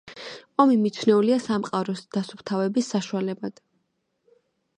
ომი მიჩნეულია სამყაროს დასუფთავების საშუალებად.